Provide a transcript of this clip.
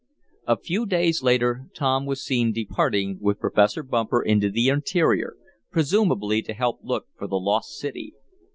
A few days later Tom was seen departing with Professor Bumper into the interior, presumably to help look for the lost city.